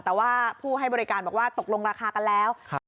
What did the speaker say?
แต่ว่าผู้ให้บริการบอกว่าตกลงราคากันแล้ว